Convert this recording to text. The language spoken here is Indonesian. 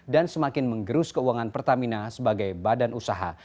dan semakin menggerus keuangan pertamina sebagai badan usaha